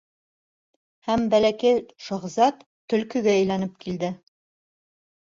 Һәм Бәләкәй шаһзат Төлкөгә әйләнеп килде.